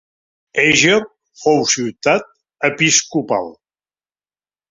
Eger fou ciutat episcopal.